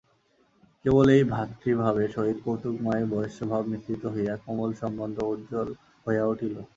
কেবল সেই ভ্রাতৃভাবের সহিত কৌতুকময় বয়স্যভাব মিশ্রিত হইয়া কোমল সম্বন্ধ উজ্জ্বল হইয়া উঠিয়াছিল।